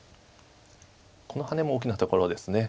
このハネも大きなところです。